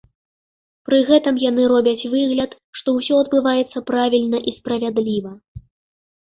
Пры гэтым яны робяць выгляд, што ўсё адбываецца правільна і справядліва.